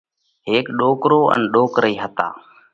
هيڪ ڏوڪرو ان ڏوڪرئِي هتا۔